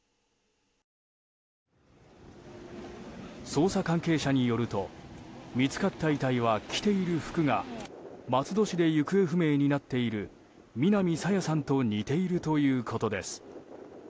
捜査関係者によると見つかった遺体は着ている服が松戸市で行方不明になっている南朝芽さんと似ているということです。